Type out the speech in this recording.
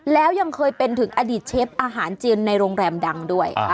แล้วยังเคยเป็นถึงอดีตเชฟอาหารจีนในโรงแรมดังด้วย